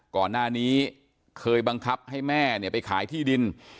ก่อนหน้านี้เคยบังคับให้แม่เนี่ยไปขายที่ดิน